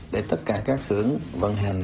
để tất cả các xưởng vận hành